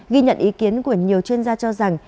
ghi nhận ý kiến của nhiều chuyên gia cho rằng